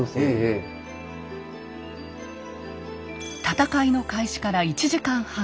戦いの開始から１時間半。